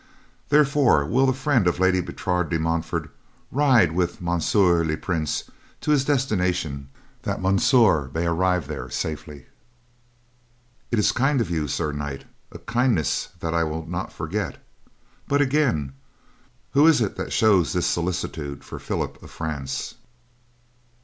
Therefore will the friend of Lady Bertrade de Montfort ride with Monsieur le Prince to his destination that Monsieur may arrive there safely." "It is kind of you, Sir Knight, a kindness that I will not forget. But, again, who is it that shows this solicitude for Philip of France?"